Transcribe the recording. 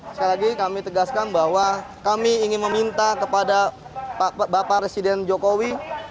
sekali lagi kami tegaskan bahwa kami ingin meminta kepada bapak presiden jokowi